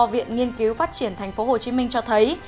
viện nghiên cứu phát triển tp hcm cho thấy